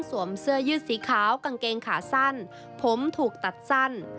เสื้อยืดสีขาวกางเกงขาสั้นผมถูกตัดสั้น